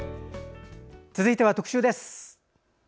続いては特集です。